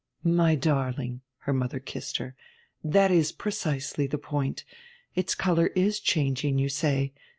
'My darling' her mother kissed her 'that is precisely the point! Its colour is changing, you say.